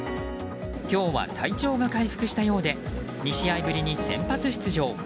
今日は体調が回復したようで２試合ぶりに先発出場。